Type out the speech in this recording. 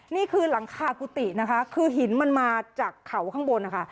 นี่คือหลังคากุฏินะคะคือหินมันมาจากเขาข้างบนนะคะ